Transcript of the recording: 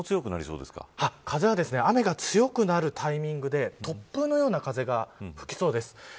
風は雨が強くなるタイミングで突風のような風が吹きそうです。